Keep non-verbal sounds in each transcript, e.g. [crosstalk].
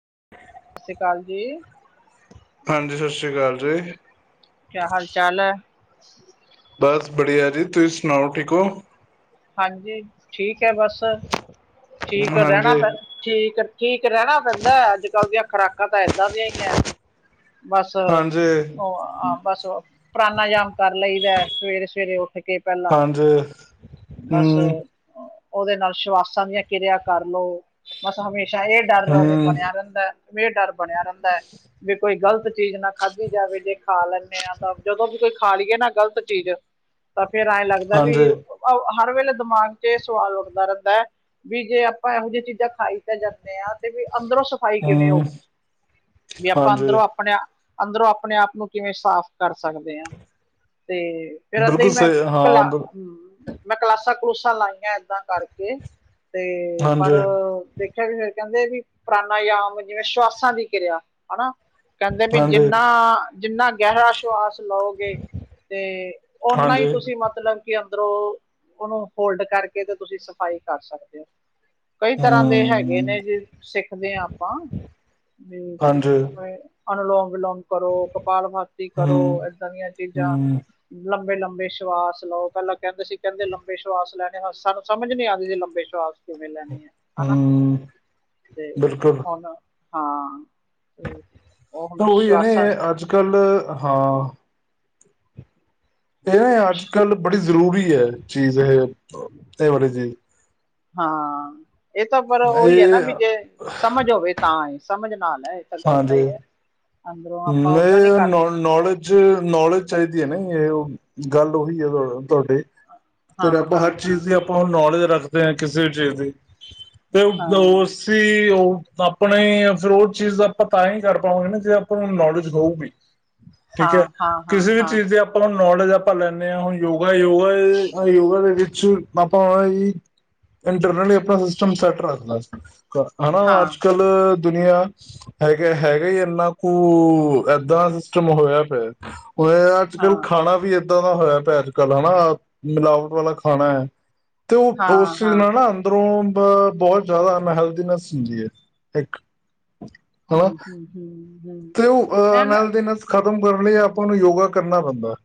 [unintelligible] ਸਤਿ ਸ੍ਰੀ ਅਕਾਲ ਜੀ ਹਾਂਜੀ ਸਤਿ ਸ੍ਰੀ ਅਕਾਲ ਜੀ ਹ ਬਸ ਵਧੀਆ ਜੀ ਤੁਸੀਂ ਸੁਣਾਓ ਠੀਕ ਹੋ ਹਾਂਜੀ ਠੀਕ ਹੈ ਬਸ ਠੀਕ ਰਹਿਣਾ ਹਾਂਜੀ ਪੈ ਠੀਕ ਠੀਕ ਰਹਿਣਾ ਪੈਂਦਾ ਅੱਜ ਕੱਲ੍ਹ ਦੀਆਂ ਖੁਰਾਕਾਂ ਤਾਂ ਇਏਦਾਂ ਦੀਆਂ ਹੀ ਹੈ ਬਸ ਹਾਂਜੀ ਉਹ ਬਸ ਪਰਾਨਾ ਜਾਮ ਕਰ ਲਈਦਾ ਸਵੇਰੇ ਸਵੇਰੇ ਉੱਥੇ ਕੇ ਪਹਿਲਾਂ ਹਾਂਜੀ ਬਸ ਹਮ ਉਹਦੇ ਨਾਲ ਸ਼ਵਾਸਾਂ ਦੀਆਂ ਕਿਰਿਆ ਕਰ ਲਉ ਬਸ ਹਮੇਸ਼ਾ ਇਹ ਡਰ ਹਮ ਬਣਿਆ ਰਹਿੰਦਾ ਵੀ ਡਰ ਬਣਿਆ ਰਹਿੰਦਾ ਹੈ ਕੋਈ ਗ਼ਲਤ ਚੀਜ਼ ਨਾ ਖਾਧੀ ਜਾਵੇ ਜੇ ਖਾ ਲੈਂਦੇ ਹ ਤਾਂ ਜਦੋਂ ਵੀ ਕੋਈ ਖਾ ਲਈਏ ਨਾ ਗ਼ਲਤ ਚੀਜ਼ ਤਾਂ ਫੇਰ ਐਂ ਲੱਗਦਾ ਵੀ ਹਾਂਜੀ ਹਰ ਵੇਲੇ ਦਿਮਾਗ ਚ ਇਹ ਸਵਾਲ ਉੱਠਦਾ ਰਹਿੰਦਾ ਹੈ ਵੀ ਜੇ ਆਪਾਂ ਇਹੋ ਜਿਹੀਆਂ ਚੀਜ਼ਾਂ ਖਾਈ ਤਾਂ ਜਾਂਦੇ ਹਾਂ ਤੇ ਵੀ ਅੰਦਰੋਂ ਸਫ਼ਾਈ ਕਿਵੇਂ ਹਮ ਹੋਗੀ ਵੀ ਆਪਾਂ ਹਾਂਜੀ ਅੰਦਰੋਂ ਆਪਣੇ ਅੰਦਰੋਂ ਆਪਣੇ ਆਪ ਨੂੰ ਕਿਵੇਂ ਸਾਫ਼ ਕਰ ਸਕਦੇ ਹਾਂ ਤੇ ਫੇਿਰ ਅੱਦਾਂ ਹੀ ਬਿਲਕੁਲ ਮੈਂ ਸਹੀ ਕਲਾ ਹਾਂ ਬ ਹ ਮੈਂ ਕਲਾਸਾਂ ਕਲੂਸਾਂ ਲਾਈਆਂ ਏਦਾਂ ਕਰਕੇ ਤੇ ਪਰ ਹਾਂਜੀ ਦੇਖਿਆ ਵੀ ਫਿਰ ਕਹਿੰਦੇ ਵੀ ਪੁਾਨਾ ਆਮ ਜਿਵੇਂ ਸ਼ਵਾਸਾਂ ਦੀ ਕਿਰਿਆ ਹਨਾ ਕਹਿੰਦੇ ਵੀ ਹਾਂਜੀ ਜਿੰਨਾ ਜਿੰਨਾ ਗਹਿਰਾ ਸ਼ਵਾਸ ਲਓਗੇ ਤੇ ਓਨਾ ਹੀ ਹਾਂਜੀ ਤੁਸੀਂ ਮਤਲਬ ਕਿ ਉਧਰੋਂ ਉਹਨੂੰ ਹੋਲਡ ਕਰਕੇ ਤੇ ਤੁਸੀਂ ਸਫ਼ਾਈ ਕਰ ਸਕਦੇ ਹੋ ਕਈ ਤਰ੍ਹਾਂ ਦੇ ਹੈਗੇ ਹਮ ਨੇ ਜੇ ਸਿੱਖਦੇ ਹਾਂ ਆਪਾਂ ਵੀ ਅ [unintelligible] ਅਨੁਲੋਂਗ ਵਿਲੋਂਗ ਕਰੋ ਕਪਾਲ ਭਾਤੀ ਕਰੋ ਹਮ ਏਦਾਂ ਦੀਆਂ ਚੀਜ਼ਾਂ ਹਮ ਲੰਬੇ ਲੰਬੇ ਲੰਬੇ ਵਿਸ਼ਵਾਸ ਲਓ ਪਹਿਲਾਂ ਕਹਿੰਦੇ ਸੀ ਕਹਿੰਦੇ ਲੰਬੇ ਸ਼ਵਾਸ ਲੈਣੇ ਹ ਸਾਨੂੰ ਸਮਝ ਨੀ ਆਉਂਦੀ ਸੀ ਲੰਬੇ ਸ਼ਵਾਸ ਕਿਵੇਂ ਲੈਣੀ ਹੈ ਹਨਾ ਹਮ ਤੇ ਬਿਲਕੁਲ ਹੁਣ ਹਾਂ ਤੇ ਉਹ ਹੁਣ ਉਹੀ ਹੈਨ ਸ਼ਵਾਸਾਂ ਅੱਜ ਕੱਲ੍ਹ ਹਾਂ ਇਹ ਨਾ ਅੱਜ ਕੱਲ੍ਹ ਬੜੀ ਜ਼ਰੂਰੀ ਹੈ ਚੀਜ਼ ਇਹ ਇਹ ਵਾਲੀ ਜੀਜ਼ ਹਾਂ ਇਹ ਤਾਂ ਪਰ ਉਹੀ ਹੈ ਨਾ ਵੀ ਇਹ ਜੇ ਸਮਝ ਹੋਵੇ ਤਾਂ ਹੀ ਸਮਝ ਨਾਲ ਹੈ ਤਾਂ ਗੱਲ ਤਾਂ ਹੀ ਹੈ ਅੰਦਰੋਂ ਆਪਾਂ ਓਦਾਂ ਨਹੀਂ ਮੇ ਕਰ ਸਕ ਨੌਲੇਜ ਨੌਲੇਜ ਚਾਹੀਦੀ ਹੈ ਨਾ ਗੱਲ ਉਹੀ ਹੈ ਤੁਹਾਡੇ ਹਾਂ ਤੇ ਆਪਾਂ ਹਰ ਹਾਂ ਹਾਂ ਚੀਜ਼ ਦੀ ਆਪਾਂ ਹੁ ਨੌਲੇਜ ਰੱਖ ਕਿਸੇ ਚੀਜ਼ ਦੀ ਤੇ ਉਸ ਹਾਂ ਸੀ ਉਹ ਆਪਣੇ ਫਿਰ ਉਹ ਚੀਜ਼ ਆਪਾਂ ਤਾਂ ਹੀ ਕਰ ਪਾਵਾਂਗੇ ਨਾ ਜੇ ਆਪਾਂ ਨੂੰ ਨੌਲੇਜ ਹੋਊਗੀ ਠੀਕ ਹੈ ਹਾਂ ਹਾਂ ਹਾਂ ਕਿਸੇ ਵੀ ਹਾਂ ਚੀਜ਼ ਦੇ ਆਪਾਂ ਨੌਲੇਜ ਆਪਾਂ ਲੈਂਦੇ ਹਾਂ ਹੁਣ ਯੋਗਾ ਯੋਗਾ ਯੋਗਾ ਦੇ ਵਿੱਚ [unintelligible] ਮ ਇੰਟਰਨਲਣਾ ਸਿਸਟਮ ਸੈਟ ਰੱਖਣਾ ਹਨਾ ਹਾਂ ਅੱਜ ਕੱਲ ਦੁਨੀਆਂ ਹੈਗਾ ਹੈਗਾ ਹੀ ਇੰਨਾ ਕੁ ਏਦਾਂ ਸਿਸਟਮ ਹੋਇਆ ਫਿਰ ਅੱਜ ਕੱਲ੍ਹ ਹਾਂ ਖਾਣਾ ਵੀ ਇਏਦਾਂ ਦਾ ਹੋਇਆ ਪਿਆ ਅੱਜਕੱਲ ਹੈਾ ਮਿਲਾਵਟ ਵਾਲਾ ਖਾਣਾ ਹੈ ਤੇ ਉਹ ਹਾਂ ਉਸ ਚਜ਼ ਹਾਂ ਨਾਲ ਨਾ ਅੰਦਰੋਂ ਬਹੁਤ ਜ਼ਿਆਦਾ ਅਨਹਲਦੀਨੈਸ ਹੁੰਦੀ ਹੈ ਇੱਕ ਹਨਾ ਹਮ ਹਮ ਹਮ ਤੇ ਉਹ ਅਹ ਨਲ ਦੀ ਨ ਖ਼ਤਮ ਕਰਨ ਲਈ ਆਪਾਂ ਨੂੰ ਯੋਗਾ ਕਰਨਾ ਪੈਂਦਾ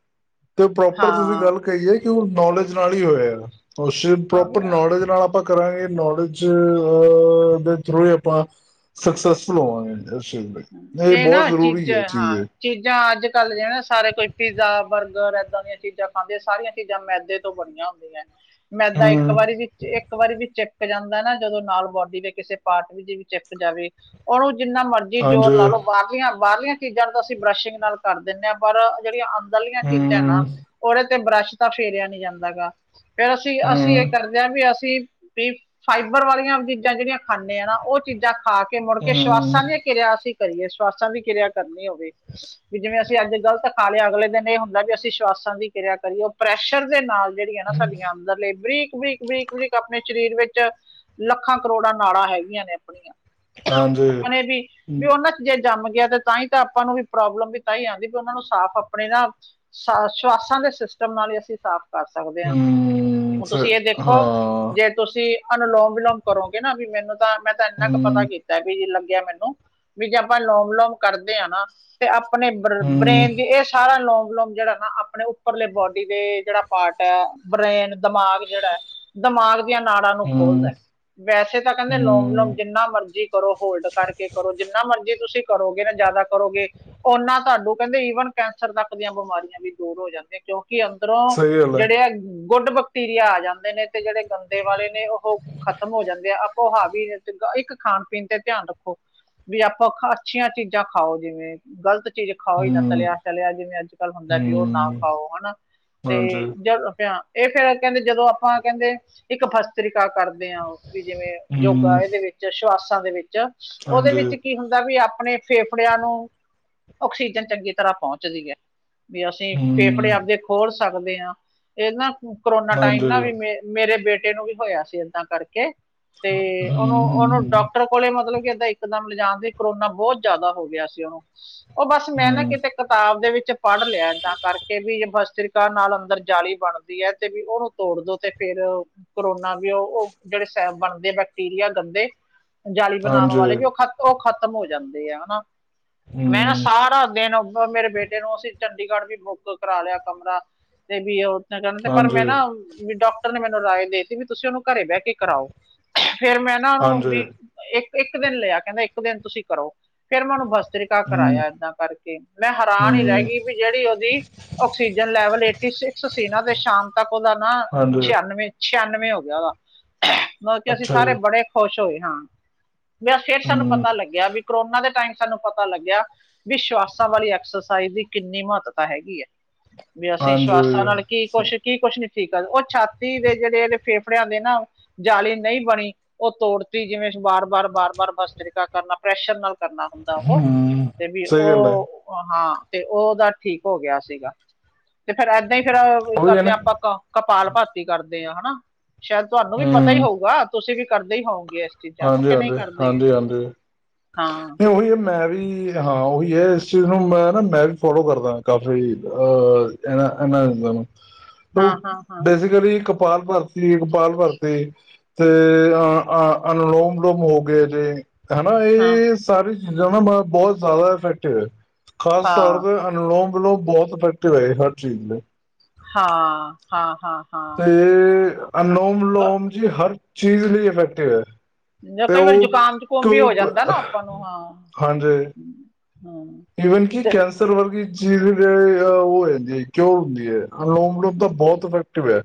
ਤੇ ਪ੍ਰੋਪਰ ਤੁਸੀਂ ਹਾਂ ਗੱਲ ਕਹੀਏ ਕਿ ਉਹ ਨੌਲੇਜ ਨਾਲ ਹੀ ਹੋਇਆ ਆ ਉਸ ਆ ਪ੍ਰੋਪਰ ਗਿਆ ਨੌਲੇਜ ਨਾਲ ਆਪਾਂ ਕਰਾਂਗੇ ਨੌਲੇਜ ਅਹ ਦੇ ਥਰੂ [unintelligible] ਹੀ ਆਪਾਂ ਸਕਸੈਸਫੁਲ ਹੋਵਾਂਗੇ ਇਸ ਚੀਜ਼ ਲਈ ਇਹ ਬਹੁਤ ਨਾ ਜ਼ਰੂਰੀ ਹੈ ਚੀਜ਼ਾਂ ਚੀਜ਼ ਹਾਂ ਇਹ ਚੀਜ਼ਾਂ ਅੱਜ ਕੱਲ ਜ ਨਾ ਸਾਰੇ ਕੋਈ ਪੀਜ਼ਾ ਬਰਗਰ ਇੱਦਾਂ ਦੀਆਂ ਚੀਜ਼ਾਂ ਖਾਂਦੇ ਆ ਸਾਰੀਆਂ ਚੀਜ਼ਾਂਮੈਦੇ ਤੋਂ ਬਣੀਆਂ ਹੁੰਦੀਆਂ ਮੈਦਾ ਇੱਕ ਹਮ ਵਾਰੀ ਵੀ ਇੱਕ ਵਾਰੀ ਵੀ ਚ ਚੱਕ ਜਾਂਦਾ ਨਾ ਜਦੋਂ ਨਾਲ ਬੋਡੀ ਦੇ ਕਿਸੇ ਪਾਰਟ ਵਿੱਚ ਵੀ ਚੱਕ ਜਾਵੇ ਉਹਨੂੰ ਜਿੰਨਾ ਜੀ ਜ਼ੋਰ ਹਾਂਜੀ ਲਾ ਲੋ ਬਾਹਰਲੀਆਂ ਬਾਹਰਲੀਆਂ ਚੀਜ਼ਾਂ ਨੂੰ ਤਾਂ ਅਸੀਂ ਬਰਸ਼ਿੰਗ ਨਾਲ ਕਰ ਦਿੰਦੇ ਹਾਂ ਪਰ ਜਿਹੜੀਆਂ ਉਦ ਵਾਲੀਆਂ ਚੀਜ਼ਾਂ ਨਾ ਹਮ ਉਹਦੇ ਤੇ ਬਰੱਸ਼ ਤਾਂ ਫੇਰਿਆ ਨੀ ਜਾਂਦਾ ਗਾ ਫਿਰ ਅਸੀਂ ਅਸੀਂ ਇਹ ਹਮ ਕਰਦੇ ਹਾਂ ਵੀ ਅਸੀਂ ਵੀ ਫਾਈਬਰ ਵਾਲੀਆਂ ਦੀ ਚੀਾਂ ਜਿਹੜੀਆਂ ਖਾਂਦੇ ਹਾਂ ਨਾ ਉਹ ਚੀਜ਼ਾਂ ਖਾ ਕੇ ਮੁੜ ਕੇ ਹਮ ਸ਼ਵਾਸਾਂ ਦੀਆਂ ਕਰੀਏ ਸਵਾਸਾਂ ਦੀ ਕਿਰਿਆ ਕਰਨੀ ਹੋਵੇ ਵੀ ਜਿਵੇਂ ਅਸੀਂ ਅੱਜ ਗ਼ਲਤ ਖਾ ਲਿਆ ਅਗਲੇ ਦਿਨ ਇਹ ਹੁੰਦਾ ਵੀ ਅਸੀਂ ਦੀ ਕਿਰਿਆ ਕਰੀ ਉਹ ਪ੍ਰੈਸ਼ਰ ਦੇ ਨਾਲ ਜਿਹੜੀਆਂ ਨਾ ਸਾਡੀਆਂ ਅੰਦਰ ਲੇਬਰੀ ਬਕ ਬਰੀਕ ਬਰੀਕ ਆਪਣੇ ਸਰੀਰ ਵਿੱਚ ਲੱਖਾਂ ਕਰੋੜਾਂ ਨਾਲਾਂ ਹੈਗੀਆਂ ਨੇ ਆਪਣੀਆਂ ਹਾਂਜੀ ਆਪਣੇ ਵੀ ਵੀ ਉਹਨਾਂ ਚ ਜਿਹੜ ਜੰਮ ਗਿਆ ਤੇ ਤਾਂ ਹੀ ਤਾਂ ਆਪਾਂ ਨੂੰ ਵੀ ਪ੍ਰੋਬਲਮ ਵੀ ਤਾਂ ਹੀ ਆਉਂਦੀ ਵੀ ਉਹਨਾਂ ਨੂੰ ਸਾਫ਼ ਆਪਣੇ ਨਾ ਸ਼ਵਾਸਾਂ ਦੇ ਸਿਸਟਮ ਨਾਲ ਹੀ ਅਸੀਂ ਸਾਫ਼ ਕਰ ਸਕਦੇ ਹਾਂ ਹਮ ਹੁਣ ਤੁਸੀਂ ਇਹ ਦੇਖੋ ਹਾਂ ਜੇ ਤੁਸੀਂ ਅਨਲੋਮ ਵਿਿਲੋਮ ਕਰੋਗੇ ਨਾ ਵੀ ਮੈਨੂੰ ਤਾਂ ਮੈਂ ਤਾਂ ਇੰਨਾ ਕੁ ਪਤਾ ਹਮ ਕੀਤਾ ਵੀੀ ਲ ਮੈਨੂੰ ਵੀ ਜੇ ਆਪਾਂ ਲੋਮ ਵਿਲੋਮ ਕਰਦੇ ਹਾਂ ਨਾ ਤੇ ਆਪ ਆਪਣੇ ਹਮ ਬ੍ਰੇਨ ਦੀ ਇਹ ਸਾਰਾ ਲੌਗ ਲੋਂਗ ਜਿਹੜਾ ਨਾ ਆਪਣੇ ਉੱਪਰਲੇ ਬੋਡੀ ਦੇ ਜਿਹੜਾ ਪਾਰਟ ਹੈ ਬ੍ਰਰੇਨ ਦਿਮਾਗ ਜਿਹੜਾ ਹੈ ਦਿਮਾਗ ਨਾੜਾਂ ਨੂੰ ਹਮ ਖੋਲਦਾ ਹਮ ਵੈਸੇ ਤਾਂ ਕਹਿੰਦੇ ਲੋਮ ਵਿਲੋਮ ਜਿੰਨਾ ਮਰਜ਼ੀ ਕਰੋ ਹੋਲਡ ਕਰਕੇ ਕਰੋ ਜਿੰਨਾ ਮਰਜ਼ੀ ਤੁਸੀਂ ਕਰੋਗੇ ਨਾ ਜ਼ਿਆਦਾ ਕਰੋਗੇ ਓਨਾ ਤੁਹਾਨੂੰ ਕਹਿੰਦੇ ਈਵਨ ਕੈਂਸਰ ਤੱਕ ਦੀਆਂ ਬਿਮਾਰੀਆਂ ਵੀ ਦੂਰ ਹੋ ਜਾਂਦੇਆਂ ਕਿਉਂਕਿ ਕਿ ਅੰਦਰੋਂ ਸਹੀ ਗੱਲ ਹੈ ਜਿਹੜੇ ਆ ਗੁੱਡ ਬੈਕਟੀਰੀਆ ਆ ਜਾਂਦੇ ਨੇ ਤੇ ਜਿਹੜੇ ਗੰਦੇ ਵਾਲੇ ਉਹ ਖ਼ਤਮ ਹੋ ਜਾਂਦੇ ਆ ਆਪੋ ਉਹ ਹਾਵ ਵੀ ਚੰਗਾ ਇੱਕ ਖਾਣ ਪੀਣ ਤੇ ਧਿਆਨ ਰੱਖੋ ਵੀ ਆਪਾਂ ਅੱਛੀਆਂ ਚੀਜ਼ਾਂ ਖਾਓ ਜਿਵੇਂ ਗ਼ਲਤ ਚੀਜ਼ ਖਾਓ ਹੀ ਨਾ ਹਮ ਤਲਿਆ ਚਲਿਆ ਜਿਵੇਂ ਅੱਜ ਕੱਲ੍ਹ ਹੁੰਦਾ ਵੀ ਉਹ ਨਾ ਹਮ ਖਾਓ ਹਨਾ ਤੇ ਹਾਂਜੀ ਜ ਇਹ ਫੇਿਰ ਕਹਿੰਦੇ ਜਦੋਂ ਆਪਾਂ ਕਹਿੰਦੇ ਇੱਕ ਫਸਤਰੀ ਕਰਦੇ ਹ ਵੀ ਜਿਵੇਂ ਹਮ ਯੋਗਾ ਇਹਦੇ ਵਿੱਚ ਸ਼ਵਾਸਾਂ ਦੇ ਵਿੱਚ ਉਹਦੇ ਹਾਂਜੀ ਵਿੱਚ ਕੀ ਹੁੰਦਾ ਵੀ ਆਪਣੇ ਫੇਫੜਿਆਂ ਨੂੰ ਆਕਸੀਜਨ ਚੰਗੀ ਤਰ੍ਹਾਂ ਪਹੁੰਚਦੀ ਹੈ ਵੀ ਅਸੀਂ ਫੇਫੜੇ ਆਪਦੇ ਖੋਰ ਸਕਦੇ ਹਾਂ ਇਹ ਨਾ ਕਰੋਨਾ ਟਾਈਮ ਨਾ ਵੀ ਮੇ ਮੇਰੇ ਬੇਟੇ ਨੂੰ ਵੀ ਹੋਇਆ ਸੀ ਏਦਾਂ ਕਰਕੇ ਤੇ ਉਹਨੂੰ ਉਹਨੂੰ ਡਾਕਟਰ ਕੋਲੇ ਮਤਲਬ ਕਿ ਏਦਾਂ ਲਿਜਾਣਦੇ ਕਰੋਨਾ ਬਹੁਤ ਜ਼ਿਆਦਾ ਹੋ ਗਿਆ ਸੀ ਉਹਨੂੰ ਉਹ ਬਸ ਮੈਂ ਨਾ ਕਿਤੇ ਕਿਤਾਬ ਦੇ ਵਿੱਚ ਪੜ੍ਹ ਲਿਆ ਇਏਦਾਂ ਕਰਕੇ ਵੀ ਬਸਤਰੀ ਨਾਲ ਅੰਦਰ ਜਾਲੀ ਬਣਦੀ ਹੈ ਤੇ ਵੀ ਉਹਨੂੰ ਤੋੜ ਦੋ ਤੇ ਫੇਰ ਕਰੋਨਾ ਵੀ ਉਹ ਉਹ ਜਿਹੜੇ ਬਣਦੇ ਬੈਕਟੀਰੀਆ ਗੰਦੇ ਜਾਲੀ ਬਣਾਉਣ ਵਾਲੇ ਵੀ ਉਹ ਖਤ ਉਹ ਖ਼ਤਮ ਹੋ ਜਾਂਦੇ ਆ ਹਨਾ ਮੈਂ ਨਾ ਸਾਰਾ ਦਿਨ ਮੇਰੇ ਬੇਟੇ ਨੂੰ ਅਸੀਂ ਚੰਡੀਗੜ੍ਹ ਵੀ ਬੁੱਕ ਕਰਾ ਲਿਆ ਕਮਰਾ ਤੇ ਵੀ ਉੱਥੇ ਕਹਿਣ ਤੇ ਪਰ ਮੈਂ ਨਾ ਡਾਕ ਨੇ ਮੈਨੂੰ ਰਾਏ ਦੇਤੀ ਵੀ ਤੁਸੀਂ ਉਹਨੂੰ ਘਰੇ ਬਹਿ ਕੇ ਕਰਾਓ ਫੇਿਰ ਮੈਂ ਨਾ ਉਹਨੂੰ ਵੀ ਇੱਕ ਇੱਕ ਦਿਨ ਲਿਆ ਕਹਿੰਦਾ ਇੱਕ ਦਿਨ ਤੁਸੀਂ ਕਰਾਊ ਫੇਿਰ ਮੈਂ ਉਹਨੂੰ ਬਸਤਰੀਿਕਾ ਕਰਾਇਆ ਏਦਾਂ ਕਰਕੇ ਮੈਂ ਹੈਰਾਨ ਹੀ ਰਹਿ ਗਈ ਵੀ ਜਿਹੜੀ ਉਹਦੀ ਆਕਸੀਜਨ ਲੈਵਲ ਏਟੀ ਸਿਕਸ ਸੀ ਨਾ ਤੇ ਸ਼ਾਮ ਤੱਕ ਉਹਦਾ ਨਾ ਛਿਆਨਵੇਂ ਪਚਾਨਵੇਂ ਹੋ ਗਿਆ ਉਹਦਾ ਮਤਲਬ ਕਿ ਅਸੀਂ ਸਾਰੇ ਬੜੇ ਖੁਸ਼ ਹੋਏ ਹਾਂ ਫੇਰ ਸਾਨੂੰ ਪਤਾ ਲੱਗਿਆ ਵੀ ਕੋਰੋਨਾ ਦੇ ਟਾਈਮ ਸਾਨੂੰ ਪਤਾ ਲੱਗਿਆ ਵੀ ਸ਼ਵਾਸਾਂ ਵਾਲੀ ਐਕਸਰਸਾਈਜ਼ ਦੀ ਕਿੰਨੀ ਮਹੱਤਤਾ ਹੈਗੀ ਹੈ ਵੀ ਅਸੀਂ ਸਵਾਸਾਂ ਨਾਲ ਕੀ ਕੁੱਛ ਕੀ ਕੁਛ ਨੀ ਠੀਕ ਆ ਉਹ ਛਾਤੀ ਦੇ ਜਿਹੜੇ ਇਹਦੇ ਫੇਫੜਿਆਂ ਦੇ ਨਾ ਜਾਲੀ ਨਹੀਂ ਬਣੀ ਉਹ ਤੋੜਤੀ ਜਿਵੇਂ ਵਾਰ ਵਾਰ ਵਾਰ ਵਾਰ ਹ ਤਰੀਕਾ ਕਰਨਾ ਪ੍ਰੈਸ਼ਰ ਨਾਲ ਕਰਨਾ ਹੁੰਦਾ ਉਹ ਤੇ ਵੀ ਸਹੀ ਗੱਲ ਹੈ ਉਹ ਹਾਂ ਤੇ ਉਹਦਾ ਠੀਕ ਹੋ ਗਿਆ ਸੀਗਾ ਤੇ ਫੇਿਰ ਇਏਦਾਂ ਹੀ ਫੇਰ ਉਹੀ ਹੈ ਕਰਦੇ ਨਾ ਹਾਂ ਆਪਾਂ ਕ ਕਪਾਲ ਭਾਤੀ ਕਰਦੇ ਹਾਂ ਹਨਾ ਸ਼ਾਇਦ ਤੁਹਾਨੂੰ ਵੀ ਪਤਾ ਹੀ ਹਮ ਹੋਊਗਾ ਤੁਸੀਂ ਵੀ ਕਰਦੇ ਹੀ ਹੋਓਗੇ ਇਸ ਚੀਜ਼ਾਂ ਨੂੰ ਕਿ ਨਹੀਂ ਕਰਦੇ ਜਾਂ ਹਾਂ ਨਹੀਂ ਉਹੀ ਮੈਂ ਵੀ ਹਾਂ ਉਹੀ ਹੈ ਇਸ ਚੀਜ਼ ਨੂੰ ਮੈਂ ਨਾ ਮੈਂ ਵੀ ਫੋਲੋ ਕਰਦਾ ਕਾਫ਼ੀ ਅਹ ਇਹਨਾਂ ਇਹਨਾਂ ਚੀਜ਼ਾਂ ਨੂੰ, ਹਾਂ, ਹਾਂ, ਹਾਂ, ਬੇਸਿਕਲੀ ਕਪਾਲ ਭਾਤੀ ਕਪਾਲ ਭਾਤੀ ਤੇ ਅ ਅ ਅਨੁਲੋਮ ਵਿਲੋਮ ਹੋ ਗਏ ਜੇ ਹਨਾ ਹਾਂ, ਇਹ ਸਾਰੀ ਚੀਾਂ ਬਹੁਤ ਜ਼ਿਆਦਾ ਇਫੈਕਟਿਵ ਹੈ ਖਾਸ ਤੌਰ ਹਾਂ, ਤੇ ਅਨੁਲੋਮ ਬਹੁਤ ਅੈਕਟਿਵ ਆਏ ਹਰ ਚੀਜ਼ ਦੇ ਹਾਂ ਹਾਂ ਹਾਂ ਤੇ ਹਾਂ। ਅਨਲੋਮ ਕ ਲੋਮ ਜੀ ਹਰ ਚੀਜ਼ ਲਈ ਇਫੈਕਟਿਵ ਹੈ ਜਾਂ ਤੇ ਕਈ ਵਾਰੀ ਉਹ ਜ਼ੁਕਾਮ ਜ਼ੁਕੂਮ ਵੀ ਹੋ ਕਿ ਜਾਂਦਾ ਨਾ ਆਪਾਂ ਨੂੰ ਹਾਂ। ਹਾਂਜੀ ਹੂੰ, ਈਵਨ ਕਿ ਤੇ ਕੈਂਸਰ ਵਰਗੀ ਚੀਜ਼ ਜ ਉਹ ਹੈ ਜਾਂਦੀ ਹੈ ਕਿਉ ਹੁੰਦੀ ਹੈ ਲੋਮ ਲੋੋਮ ਤਾਂ ਹਮ, ਬਹੁਤ ਇਫੈਕਟਿਵ ਹੈ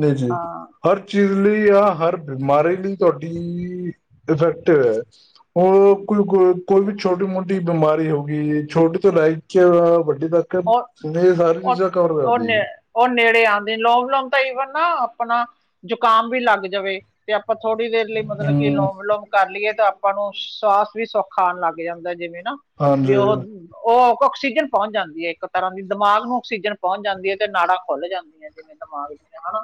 ਜੀ ਜੀ ਹਾਂ, ਹਰ ਚੀਜ਼ ਲਈ ਆ ਹਰ ਬਿਮਾਰੀ ਲਈ ਤੁਹਾਡੀ ਇਫੈਕਟਿਵ ਹੈ ਉਹਰ ਕੋਈ ਕੋ ਕੋਈ ਵੀ ਛੋਟੀ ਮੋਟੀ ਬਿਮਾਰੀ ਹੋ ਗਈ ਛੋਟੀ ਤੋਂ ਲਾਈਕ ਚ ਉਹ ਉਹ ਕਰਦੀ ਉਹ ਨੇੜੇ ਆਉਂਦੇ ਲੌਂਗ ਲੋਂਂਗ ਤਾਂ ਈਵਨ ਨਾ ਆਪਣਾ ਜ਼ੁਕਾਮ ਵੀ ਲੱਗ ਜਾਵੇ ਤੇ ਆਪਾਂ ਥੋੜ੍ਹੀ ਦੇਰ ਲਈ ਮਤਲਬ ਕਿ ਹਮ ਲੋਮ ਲੋੋਮ ਕਰ ਲਈਏ ਤਾਂ ਆਪਾਂ ਨੂੰ ਸਵਾਸ ਵੀ ਸੌੱਖ ਆਾਉਣ ਲੱਗ ਜਾਂਦਾ ਜਿਵੇਂ ਨਾ ਵੀ ਉਹ ਹਾਂਜੀ ਉਹ ਆਕਸੀਜਨ ਪਹੁੰਚ ਜਾਂਦੀ ਹੈ ਇੱਕ ਤਰ੍ਹਾਂ ਦੀ ਦਿਮਾਗ ਨੂੰ ਆਕਸੀਜਨ ਪਹੁੰਚ ਜਾਂਦੀ ਹੈ ਤੇ ਨਾੜਾ ਖੁੱਲ ਜਾਂਦੀਆਂ ਜਿਵੇਂ ਦਿਮਾਗ ਦੀਆਂ ਹਨਾ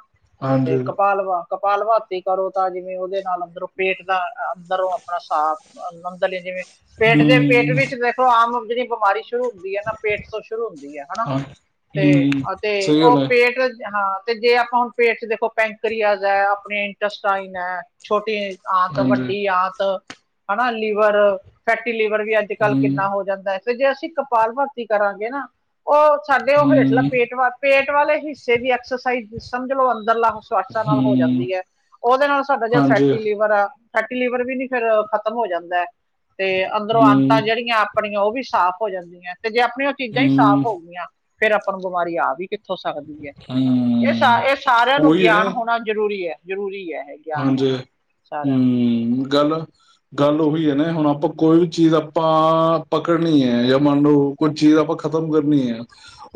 ਤੇ ਹਾਂਜੀ ਕਪਾਲਵਾ ਕਪਾਲ ਭਾਤੀ ਕਰੋ ਤਾਂ ਜਿਵੇਂ ਉਹਦੇ ਨਾਲ ਅੰਦਰੋਂ ਪੇਟ ਦਾ ਅੰਦਰੋਂ ਆਪਣਾ ਸਾਫ਼ ਅੰਦਰਲੇ ਜਿਵੇਂ ਪੇਟ ਦੇ ਪੇਟ ਹਮ ਵਿੱਚ ਦੇਖੋ ਆਮ ਜਿਹੜੀ ਬਿਮਾਰੀ ਸ਼ੁਰੂ ਹੁੰਦੀ ਹੈ ਨਾ ਪੇਟ ਤੋਂ ਸ਼ੁਰੂ ਹੁੰਦੀ ਹੈ ਹਨਾ ਹਾਂ ਤੇ ਹਮ ਤੇ ਸਹੀ ਉਹ ਗੱਲ ਹੈ ਪੇਟ ਹਾਂ ਤੇ ਜੇ ਆਪਾਂ ਹੁਣ ਪੇਟ ਚ ਦੇਖੋ ਪੈਂਕਰੀਆ ਹੈ ਆਪਣੇ ਇੰਟਸਟਾਈਨ ਹੈ ਛੋਟੀ ਆਤ ਹਾਂਜੀ ਵੱਡੀ ਆਤ ਲੀਵਰ ਫੈਟੀ ਲੀਵਰ ਵੀ ਅੱਜ ਕੱਲ ਹਮ ਕਿੰਨਾ ਹੋ ਜਾਂਦਾ ਹੈ ਤੇ ਜੇ ਅਸੀਂ ਕਪਾਲ ਭਰਤੀ ਕਰਾਂਗੇ ਨਾ ਉਹ ਸਾਡੇ ਉਹ ਹੇਠਲਾ ਹਮ ਪੇਟ ਪੇਟ ਵਾਲੇ ਹਿੱਸੇ ਦੀ ਐਕਸਰਸਾਈਜ਼ ਸਮਝ ਲੋਓ ਅੰਦਰ ਲ ਨਾਲ ਹੋ ਹਮ ਜਾਂਦੀ ਹੈ ਉਹਦੇ ਨਾਲ ਸਾਡਾ ਜਿ ਹਾਂਜੀ ਫੈਟੀ ਲੀਵਰ ਆ ਫੈਟੀ ਲੀਵਰ ਵੀ ਨੀ ਫੇਿਰ ਖਤਮ ਹੋ ਜਾਂਦਾ ਹੈ ਤੇ ਅੰਦਰੋਂ ਹਮ ਅੰਤਾਂ ਜਿਹੜੀਆਂ ਆਪਣੀਆਂ ਉਹ ਵੀ ਸਾਫ਼ ਹੋ ਜਾਂਦੀਆਂ' ਤੇ ਜੇ ਆਪਣੀਆਂ ਉਹ ਚੀਜ਼ਾਂ ਹੀ ਹਮ ਸਾਫ਼ ਹੋ ਗਈਆਂ ਫੇਰ ਆਪਾਂ ਨੂੰ ਬਿਮਾਰੀ ਆ ਵੀ ਹੋ ਸਕਦੀ ਹੈ ਇਹ, ਹਮ ਇਹ ਸਾਰਿਆਂ ਨੂੰ ਉਹੀ ਹੈ ਗਿਆਨ ਨੇ ਹੋਣਾ ਜ਼ਰੂਰੀ ਹੈ, ਜ਼ਰੂਰੀ ਹੈ। ਇਹ ਗਿਆਨ ਹਾਂਜੀ ਹੋਣਾ ਸਾਰਿਆਂ ਨੂੰ ਹਮ ਗੱਲ ਗਲ ਉਹੀ ਹੈ ਨਾ ਹੁਣ ਆਪਾਂ ਕੋਈ ਵੀ ਚੀਜ਼ ਆਪਾਂ ਪਕੜਨੀ ਹੈ ਜਾਂ ਮੰਨ ਲਓ ਕੁੱਝ ਚੀਜ਼ ਆਪਾਂ ਖਤਮ ਕਰਨੀ ਆ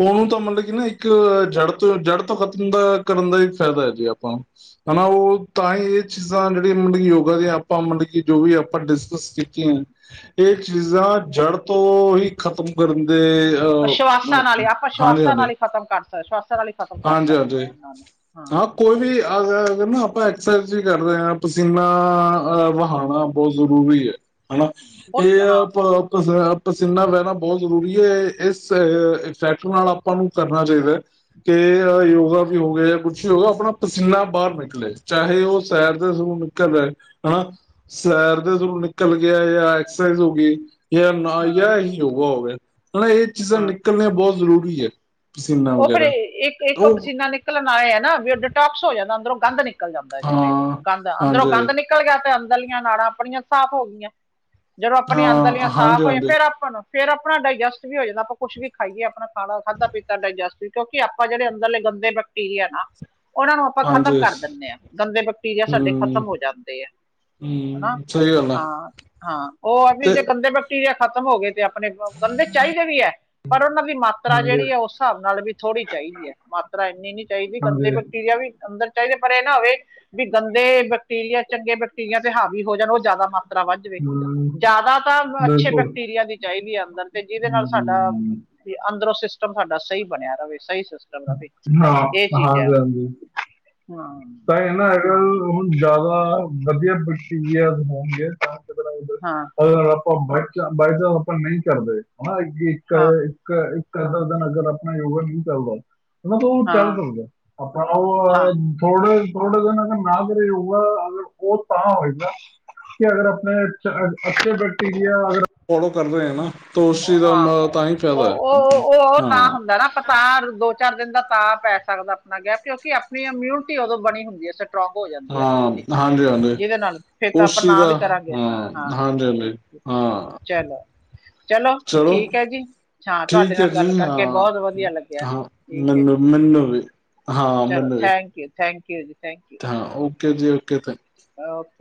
ਉਹਨੂੰ ਤਾਂ ਮਤਲਬ ਕਿ ਨਾ, ਇੱਕ ਜੜ ਤੋਂ ਜੜ੍ਹ ਤੋਂ ਖਤਮ ਦਾ ਕਰਨ ਦਾ ਫਾਇਦਾ ਹੈ ਜੀ ਆਪਾਂ ਨੂੰ, ਹਨਾ ਉਹ ਤਾਂ ਹੀ ਇਹ ਚੀਜ਼ਾਂ ਜਿਹੜੀਆਂ ਮਤਲਬ ਕਿ ਯੋਗਾ ਦੀਆਂ ਆਪਾਂ ਮਤਲਬ ਕਿ ਜੋ ਵੀ ਆਪਾਂ ਡਿਸਕਸ ਕੀਤੀਆਂ ਹੈ। ਚੀਜ਼ਾਂ ਜੜ਼ ਤੋਂ ਹੀ ਖਤਮ ਕਰਨ ਦੇ ਅਹ ਅਸ਼ਵਾਸਾਂ ਨਾਲ ਹੀ ਆਪਾਂ ਹਾਂਜੀ ਸੁਆਸਾਂ ਹਾਂਜੀ ਨਾਲ ਹੀ ਖ਼ਤਮ ਕਰ। ਸੁਆਸਾਂ ਨਾਲ ਹੀ ਖ਼ਤਮ ਕਰ ਹਾਂਜੀ ਸਕਦੇ ਹਾਂਜੀ ਹਾਂ ਹਾ ਹਾਂ ਕੋਈ ਵੀ ਅਗਰ ਅਗਰ ਨਾ ਆਪਾਂ ਅਐਕਸਰਸਾਈਜ਼ ਕਰਦੇ ਹਾਂ ਪਸੀਨਾ ਵਹਾਉਣਾ ਬਹੁਤ ਜ਼ਰੂਰੀ ਹੈ। ਆਹ ਬਹੁਤ ਇਹ ਹਾਂ ਆਪ ਪਸੀਨਾ ਬਹਿਣਾ ਬਹੁਤ ਜ਼ਰੂਰੀ ਹੈ ਇਸ ਫੈਕਟਰ ਨਾਲ ਆਪਾਂ ਨੂੰ ਕਰਨਾ ਚਾਹੀਦਾ ਹੈ। ਕਿ ਯੋਗਾ ਵੀ ਹੋਵੇ ਜਾਂ ਕੁਛ ਵੀ ਹੋ, ਆਪਣਾ ਪਸੀਨਾ ਬਾਹਰ ਨਿਕਲੇ ਚਾਹੇ ਉਹ ਸੈਰ ਦੇ ਨਿਕਲਦਾਹਾ ਹਾਂ ਸੈਰ ਦੇ ੋਂ ਨਿਕਲ ਗਿਆ ਜਾਂ ਐਕਸਰਸਾਈਜ਼ ਹੋ ਗਈ ਜਾਂ ਨਾ ਹਾਂ ਜਾਂ ਹੀ ਯੋਗਾ ਹੋ ਗਿਆ ਹਾ ਇਹ ਚੀਜ਼ਾਂ ਹਾਂ ਨਿਕਲਣੀਆਂ ਬਹੁਤ ਜ਼ਰੂਰੀ ਹੈ। ਪਸੀਨਾ ਉਹ ਫਿਰ ਵਗੈਰਾ ਇੱਕ ਇੱਕ ਉਹ ਪਸੀਨਾ ਨਿਕਲਣ ਆਏ ਹੈ, ਨਾ ਵੀ ਉਹ ਡਿਟੋਕਸ ਹੋ ਜਾਂਦਾ ਅੰਦਰੋਂ ਗੰਦ ਨਿਕਲ ਨਿਕਲ ਜਾਂਦਾ ਜਿਵੇਂ ਹਾਂ ਗੰਦ ਅੰਦਰੋਂ ਹਾਂਜੀ ਗੰਦ ਨਿਕਲ ਗਿਆ ਤੇ ਅੰਦਰਲੀਆਂ ਨਾੜਾਂ ਆਪਣੀਆਂ ਸਾਫ਼ ਹੋ ਗਈਆਂ। ਜਦੋਂ ਆਪਣੀਆਂ ਅੰਦਰਲੀਆਂ ਹਾਂ ਹਾਂਜੀ ਸਾਫ਼ ਹੋਈਆਂ ਹਾਂਜੀ ਫੇਰ ਆਪਾਂ ਨੂੰ ਫੇਰ ਆਪਣਾ ਡਾਇਜੈਸਟ ਵੀ ਹੋ ਜਾਂਦਾ, ਆਪਾਂ ਕੁਛ ਵੀ ਖਾਈਏ ਆਪਣਾ ਖਾਣਾ ਖਾਧਾ ਪੀਤਾ ਡਾਈਜੈਸਟ ਵੀ ਕਿਉਂਕਿ ਆਪਾਂ ਜਿਹੜੇ ਅੰਦਰਲੇ ਗੰਦੇ ਬੈਕਟੀਰੀਆ ਹੈ ਨਾ ਉਹਨਾਂ ਨੂੰ ਆਪਾਂ ਖ਼ਤਮ ਹਾਂਜੀ ਕਰ ਦਿੰਦੇ ਹਾਂ, ਗੰਦੇ ਬੈਕਟੀਰੀਆ ਸਾਡੇ ਹਮ ਖ਼ਤਮ ਹੋ ਜਾਂਦੇ ਆ ਹਨਾ, ਹਮ ਸਹੀ ਗੱਲ ਆ ਹਾਂ ਹਾਂ, ਉਹ ਵੀ ਤੇ ਜੇ ਕੰਦੇੇ ਖਤਮ ਹੋ ਗਏ 'ਤੇ ਆਪਣੇ ਗੰਦੇ ਚਾਹੀਦੇ ਵੀ ਹੈ ਪਰ ਉਹਨਾਂ ਦੀ ਮਾਤਰਾ ਹਾਂਜੀ ਜਿਹੜੀ ਹੈ ਉਸ ਹਿਸਾਬ ਨਾਲ ਵੀ ਥੋੜੀ ਚਾਹੀਦੀ ਹੈ ਮਾਤਰਾ ਇੰਨੀ ਨੀ ਚਾਹੀਦੀ ਗੰਦੇ ਹਾਂਜੀ ਬੈਕਟੀਰੀਆ ਵੀ ਅੰਦਰ ਚਾਹੀਦੇ ਪਰ ਇਹ ਨਾ ਹੋਵੇ ਵੀ ਗੰਦੇ ਬੈਕਟੀਰੀਆ ਚੰਗੇ ਬੈਕਟੀਰੀਆ' ਤੇ ਹਾਵੀ ਹੋ ਜਾਣ ਉਹ ਜ਼ਿਆਦਾ ਮਾ ਤਰ੍ਹਾਂ ਵੱਜਵੇ ਹਮ ਜ਼ਿਆਦਾ ਤਾਂ ਅੱਛੇ ਬਿਲਕੁਲ ਬੈਕਟੀਰੀਆ ਦੀ ਚਾਹੀਦੀ ਹੈ ਅੰਦਰ' ਤੇ ਜਿਹਦੇ ਨਾਲ ਸਾਡਾ ਹਮ ਵੀ ਅੰਦਰੋਂ ਤੁਹਾਡਾ ਸਹੀ ਬਣਿਆ ਰਹੇ, ਸਹੀ ਸਿਸਟਮ ਰਹੇ, ਹਾਂ ਇਹ ਚੀਜ਼ ਹੈ। ਹਾਂਜੀ ਹਾਂਜੀ ਹਾਂ ਤਾਂ ਇਹ ਨਾ ਅਗਰ ਹੁਣ ਜ਼ਿਆਦਾ ਵਧੀਆ ਪ੍ਰਕ ਹੋਣਗੇ ਤਾਂ ਬਾਏ ਹਾਂ ਚਾਂਸ ਆਪਾਂ ਓਪਨ ਨਹੀਂ ਕਰਦੇ ਹਾਂ ਇੱਕ ਹਾਂ ਇੱਕ ਇੱਕ ਅੱਧਾ ਦਿਨ ਅਗਰ ਆਪਣਾ ਯੋਗਾ ਨਹੀਂ ਕਰਦਾ ਇਹ ਤਾਂ ਉਹ ਚੱਲ ਹਾਂ ਕਰਦਾ ਆਪਣਾ ਉਹ ਹਾਂ ਥੋੜੇ ਥੋੜੇ ਦਿਨ ਅਗਰ ਨਾ ਘਰੇ ਹੋਊਗਾ ਅਗਰ ਉਹ ਤਾਂ ਹੋਏਗਾ ਕਿ ਅਗਰ ਆਪਣੇ ਅੱਛੇ ਬੈਕਟੀਰੀਆ ਅਗਰ ਫੋਲੋ ਕਰ ਰਹੇ ਹਾਂ ਹਾਂ ਉਹ, ਉਹ, ਉਹ ਤਾਂ ਹਾਂ ਹੁੰਦਾ, ਨਾ ਪਤਾਰ ਦੋ ਚਾਰ ਦਿਨ ਦਾ ਤਾਂ ਪੈ ਸਕਦਾ ਆਪਣਾ ਗੈਪ ਕਿਉਂਕਿ ਆਪਣੀ ਇਮਿਊਨਿਟੀ ਉਦੋਂ ਬਣੀ ਹੁੰਦੀ ਹੈ। ਸਟੋਕ ਹੋ ਜਾਂਦੀ ਹੈ ਹਾਂ ।ਮਿਊਨਟੀ ਹਾਂਜੀ ਹਾਂਜੀ ਜਿਹਦੇ ਨਾਲ ਇਹ ਤਾਂ ਉਸ ਆਪਾਂ ਚੀਜ਼ ਨਾ ਦਾ ਵੀ ਕਰਾਂਗੇ ਹਾਂ, ਹਾਂ ਹਾਂਜੀ ਹਾਂਜੀ ਠੀਕ ਹਾਂ ਚਲੋ ਚਲੋ ਠੀਕ ਹੈ ਜੀ, ਹਾਂ, ਤੁਹਾਡੇ ਠੀਕ ਹੈ ਨਾਲ ਗੱਲ ਜੀ ਕਰਕੇ ਹਾਂ ਬਹੁਤ ਵਧੀਆ ਲੱਗਿਆ, ਹਾਂ ਠੀਕ ਹੈ ਜੀ [inaudible] ਚਲੋ, ਥੈਂਕ ਯੂ ਥੈਂਕ ਯੂ ਜੀ। ਤਾਂ, ਓਕੇ ਜੀ, ਓਕੇ ਅਹ